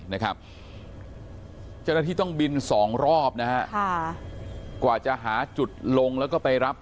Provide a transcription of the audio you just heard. นะครับเจ้าหน้าที่ต้องบินสองรอบนะฮะกว่าจะหาจุดลงแล้วก็ไปรับ